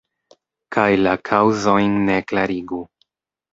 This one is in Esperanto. Kaj la kaŭzojn ne klarigu.